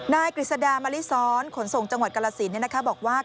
กฤษดามะลิซ้อนขนส่งจังหวัดกรสินบอกว่า